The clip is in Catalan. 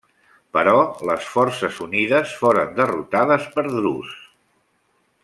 Però les forces unides foren derrotades per Drus.